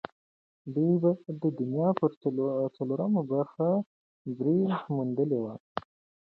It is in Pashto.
دوی به د دنیا پر څلورمه برخه بری موندلی وي.